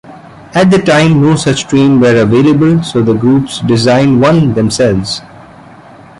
At the time, no such train were available, so the group designed one themselves.